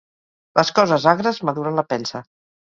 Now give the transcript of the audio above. Les coses agres maduren la pensa.